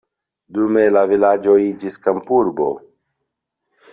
Dume la vilaĝo iĝis kampurbo.